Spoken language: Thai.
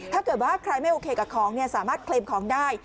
ถ้าเกิดว่าใครไม่โอเคกับของสามารถเคลมของได้